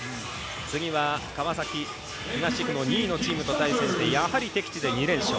次は、川崎東地区２位チームと対戦して、やはり敵地で２連勝。